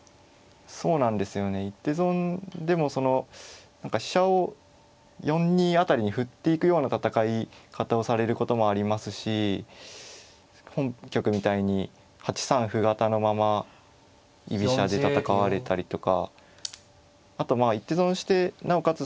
そうなんですよね一手損でもその何か飛車を４二辺りに振っていくような戦い方をされることもありますし本局みたいに８三歩型のまま居飛車で戦われたりとかあとまあ一手損してなおかつ